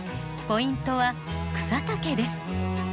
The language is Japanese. ポイントは草丈です。